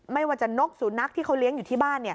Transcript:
ไม่ว่าจะนกสุนัขที่เขาเลี้ยงอยู่ที่บ้าน